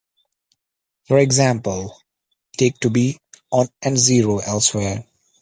For example, take to be on and zero elsewhere.